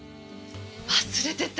忘れてた。